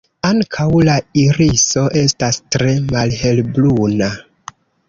Ankaŭ la iriso estas tre malhelbruna.